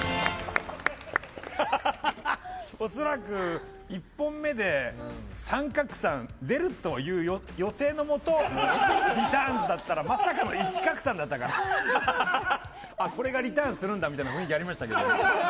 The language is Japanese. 恐らく１本目で３カクサン出る予定のもと、リターンズだったら、まさかの１カクサンだったからこれがリターンするんだみたいな雰囲気ありましたけど。